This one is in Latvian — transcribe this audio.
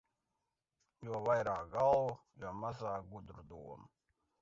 Jo vairāk galvu, jo mazāk gudru domu.